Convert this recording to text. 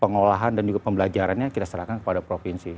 pengolahan dan juga pembelajarannya kita serahkan kepada provinsi